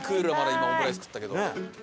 今オムライス食ったけど。